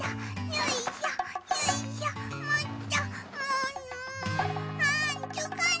よいしょよいしょと。